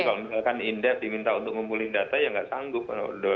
kalau misalkan indef diminta untuk ngumpulin data ya nggak sanggup